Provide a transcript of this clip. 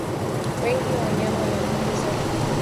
Wengi wa wanyama walioambukizwa hufa